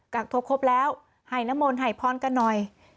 กักทบครบแล้วห่ายน้ำมนห่ายพรกันหน่อย